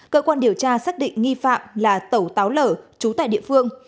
cơ quan điều tra xác định nghi phạm là tẩu táo lở trú tại địa phương